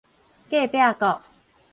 隔壁國